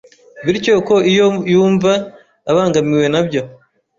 bityo ko iyo yumva abangamiwe nabyo